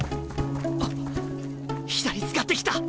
あっ左使ってきた！